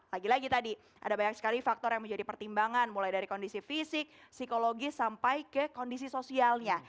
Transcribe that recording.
lagi lagi tadi ada banyak sekali faktor yang menjadi pertimbangan mulai dari kondisi fisik psikologis sampai ke kondisi sosialnya